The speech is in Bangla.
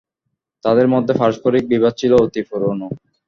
তাদের মধ্যে পারস্পরিক বিবাদ ছিল অতি পুরোনো।